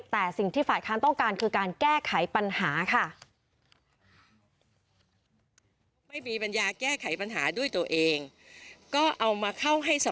แต่สิ่งที่ฝ่ายค้านต้องการคือการแก้ไขปัญหาค่ะ